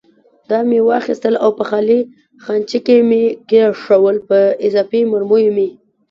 دا مې واخیستل او په خالي خانچه کې مې کېښوول، په اضافي مرمیو مې.